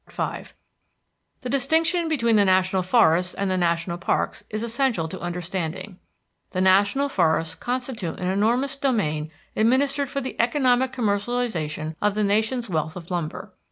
V The distinction between the national forests and the national parks is essential to understanding. The national forests constitute an enormous domain administered for the economic commercialization of the nation's wealth of lumber.